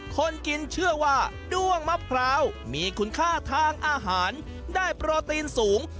คนกินเชื่อว่าด้วงมะพร้าวมีคุณค่าทางอาหารได้โปรตีนสูง